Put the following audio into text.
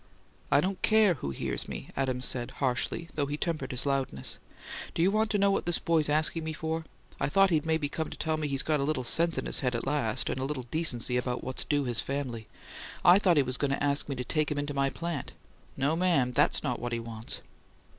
"I don't care who hears me," Adams said, harshly, though he tempered his loudness. "Do you want to know what this boy's asking me for? I thought he'd maybe come to tell me he'd got a little sense in his head at last, and a little decency about what's due his family! I thought he was going to ask me to take him into my plant. No, ma'am; THAT'S not what he wants!"